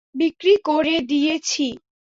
বিক্রি করে দিয়েছি।